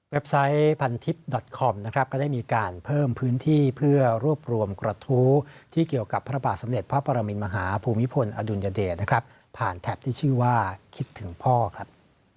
ไซต์พันทิพย์ดอตคอมนะครับก็ได้มีการเพิ่มพื้นที่เพื่อรวบรวมกระทู้ที่เกี่ยวกับพระบาทสำเร็จพระปรมินมหาภูมิพลอดุลยเดชนะครับผ่านแท็บที่ชื่อว่าคิดถึงพ่อครับ